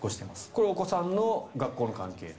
これはお子さんの学校の関係？